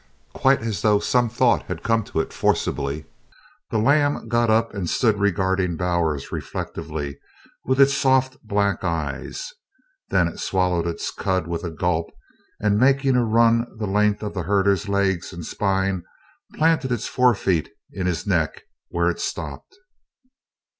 Quite as though some thought had come to it forcibly, the lamb got up and stood regarding Bowers reflectively with its soft black eyes. Then it swallowed its cud with a gulp and, making a run the length of the herder's legs and spine, planted its forefeet in his neck, where it stopped.